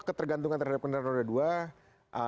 ketergantungan terhadap kendaraan roda dua